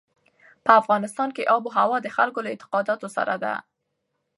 په افغانستان کې آب وهوا د خلکو له اعتقاداتو سره ده.